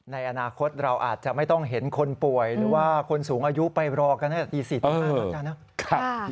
ในอนาคตเราอาจจะไม่ต้องเห็นคนป่วยหรือว่าคนสูงอายุไปรอกันที่๔ตั้ง๕นะครับ